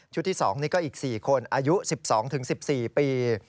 ที่๒นี่ก็อีก๔คนอายุ๑๒๑๔ปี